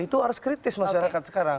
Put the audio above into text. itu harus kritis masyarakat sekarang